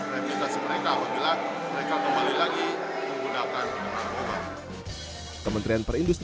reputasi mereka apabila mereka kembali lagi menggunakan uang negara